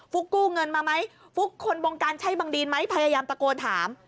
ุ๊กกู้เงินมาไหมฟุ๊กคนบงการใช่บังดีนไหมพยายามตะโกนถาม